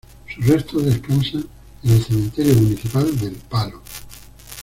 Sus restos descansan en el cementerio municipal de El Palo.